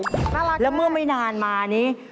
น่ารักแล้วเมื่อไม่นานมานี้